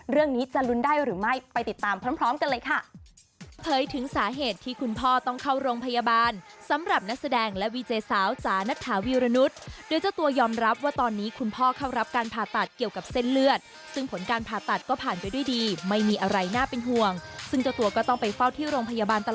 เรื่องนี้จะลุ้นได้หรือไม่ไปติดตามพร้อมกันเลยค่ะ